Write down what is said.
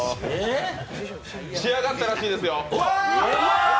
仕上がったらしいですよ。